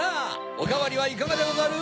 おかわりはいかがでござる？